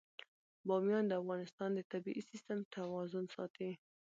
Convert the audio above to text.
بامیان د افغانستان د طبعي سیسټم توازن ساتي.